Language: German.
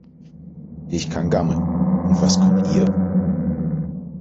Ich kann gammeln. Und was könnt ihr?